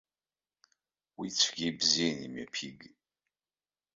Уи цәгьа ибзианы имҩаԥигеит.